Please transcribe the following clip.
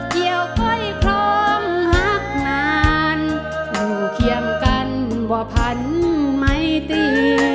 เกี่ยวก้อยครองหักนานอยู่เคียงกันว่าพันไม่ตี